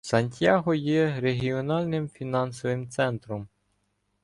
Сантьяго є регіональним фінансовим центром.